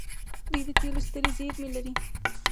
دوی د تیلو سترې زیرمې لري.